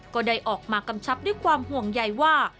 ก็ได้ออกมากำชับด้วยความห่วงใยว่า